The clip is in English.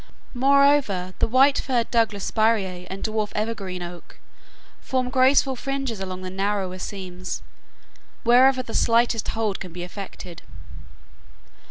Moreover, the white flowered Douglas spiraea and dwarf evergreen oak form graceful fringes along the narrower seams, wherever the slightest hold can be effected.